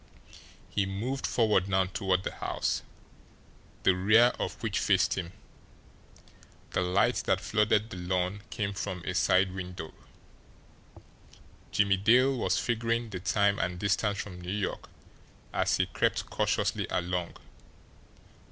He moved forward now toward the house, the rear of which faced him the light that flooded the lawn came from a side window. Jimmie Dale was figuring the time and distance from New York as he crept cautiously along.